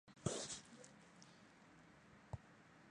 台湾香科科为唇形科香科科属下的一个种。